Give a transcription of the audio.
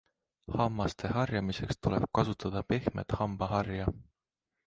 Hammaste harjamiseks tuleb kasutada pehmet hambaharja.